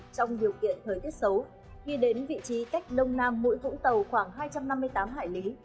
trong điều kiện thời tiết xấu khi đến vị trí cách đông nam mũi vũng tàu khoảng hai trăm năm mươi tám hải lý